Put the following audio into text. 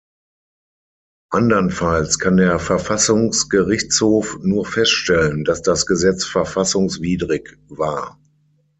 Andernfalls kann der Verfassungsgerichtshof nur feststellen, dass das Gesetz verfassungswidrig war.